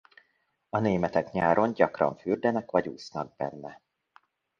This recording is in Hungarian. A németek nyáron gyakran fürdenek vagy úsznak benne.